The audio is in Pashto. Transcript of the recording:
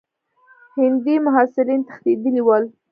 هندي محصلین تښتېدلي ول.